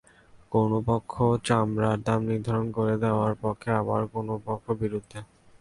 কোনো পক্ষ চামড়ার দাম নির্ধারণ করে দেওয়ার পক্ষে, আবার কোনো পক্ষ বিরুদ্ধে।